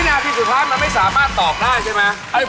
นาทีสุดท้ายมันไม่สามารถตอบได้ใช่ไหม